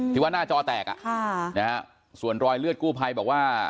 ที่ว่าหน้าจอแตกอะส่วนรอยเลือดกู้ไพบอกว่า